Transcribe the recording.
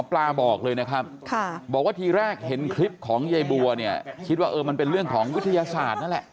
ปลาบอกเลยนะครับบอกว่าทีแรกเห็นคลิปของยายบัวเนี่ยคิดว่ามันเป็นเรื่องของวิทยาศาสตร์นั่นแหละ